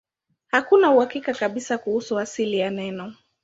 Hakuna uhakika kabisa kuhusu asili ya neno.